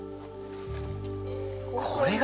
これが？